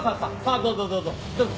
どうぞどうぞ。